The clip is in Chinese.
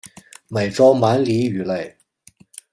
美洲鳗鲡鱼类。